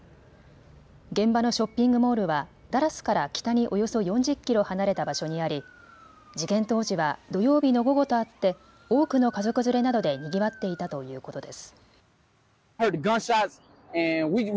現場のショッピングモールはダラスから北におよそ４０キロ離れた場所にあり、事件当時は土曜日の午後とあって多くの家族連れなどでにぎわっていたということです。